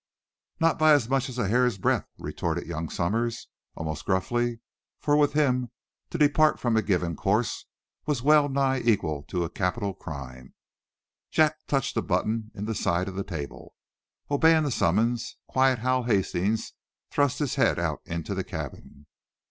"Not by as much as a hair's breadth," retorted young Somers, almost gruffly, for with him, to depart from a given course, was well nigh equal to a capital crime. Jack touched a button in the side of the table. Obeying the summons, quiet Hal Hastings thrust his head out into the cabin.